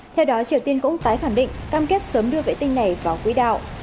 theo đó triều tiên cũng tái khẳng định cam kết sớm đưa vệ tinh này vào quỹ đạo